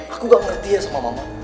aku gak ngerti ya sama mama